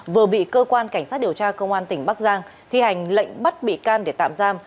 vừa bị cơ quan cảnh sát điều tra công an tỉnh bắc giang thi hành lệnh bắt bị can để tạm giam